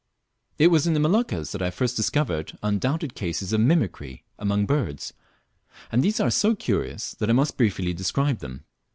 It was in the Moluccas that I first discovered undoubted cases of "mimicry" among birds, and these are so curious that I must briefly describe them.